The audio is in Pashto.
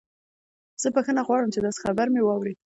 زه بخښنه غواړم چې داسې خبر مې واورید